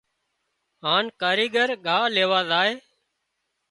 هانَ ڪاريڪ ڳاه ليوا زائي